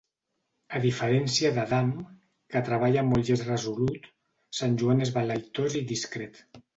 A diferència d'Adam, que treballa molt i és resolut, Sant Joan és vel·leïtós i distret.